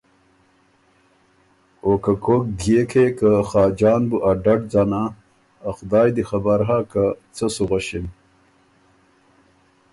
او که کوک ديېکې که خاجان بُو ا ډډ ځنا ا خدایٛ دی خبر هۀ که څۀ سو غؤݭِن۔